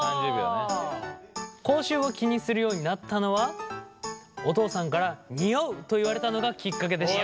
口臭を気にするようになったのはお父さんから「ニオう！」と言われたのがきっかけでした。